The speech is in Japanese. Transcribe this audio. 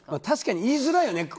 確かに言いづらいよね